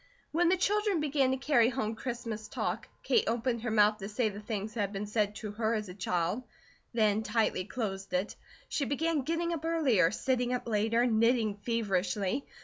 When the children began to carry home Christmas talk, Kate opened her mouth to say the things that had been said to her as a child; then tightly closed it. She began getting up earlier, sitting up later, knitting feverishly.